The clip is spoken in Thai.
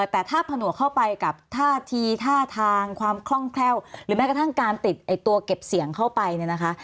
แต่ถ้าผนวกเข้าไปกับท่าทีท่าทางความคล่องแคล่วหรือแม้กระทั่งการติดตัวเก็บเสียงเข้าไปเนี่ยนะคะ